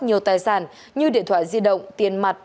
nhiều tài sản như điện thoại di động tiền mặt